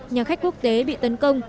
nhà khách quốc tế bị tấn công